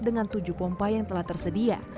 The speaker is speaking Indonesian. dengan tujuh pompa yang telah tersedia